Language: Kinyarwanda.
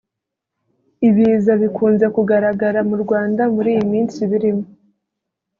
Ibiza bikunze kugaragara mu Rwanda muri iyi minsi birimo